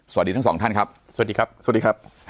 สวัสดีทั้งสองท่านครับสวัสดีครับ